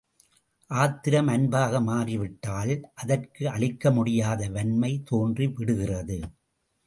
ஆத்திரம் அன்பாக மாறிவிட்டால் அதற்கு அழிக்க முடியாத வன்மை தோன்றிவிடுகிறது.